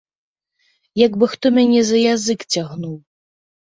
Як бы хто мяне за язык цягнуў.